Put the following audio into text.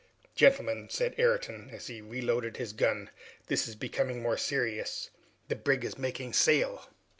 "Gentlemen," said Ayrton, as he reloaded his gun, "this is becoming more serious. The brig is making sail!"